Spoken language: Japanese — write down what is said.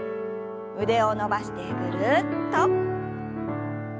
腕を伸ばしてぐるっと。